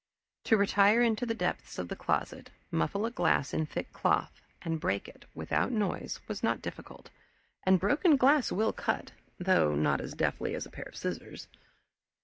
To retire into the depths of the closet, muffle a glass in thick cloth, and break it without noise was not difficult, and broken glass will cut, though not as deftly as a pair of scissors.